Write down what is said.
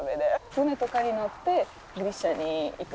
船とかに乗ってギリシャに行く。